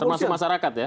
termasuk masyarakat ya